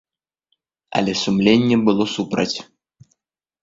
Але сумленне было супраць.